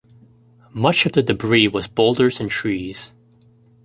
Much of the debris was boulders and trees.